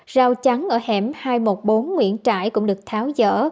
rau trắng ở hẻm hai trăm một mươi bốn nguyễn trãi cũng được tháo dở